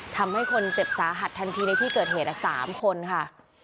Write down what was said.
ทำให้คนเจ็บสาหัสทันทีในที่เกิดเหตุ๓คนค่ะ